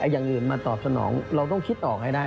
อย่างอื่นมาตอบสนองเราต้องคิดออกให้ได้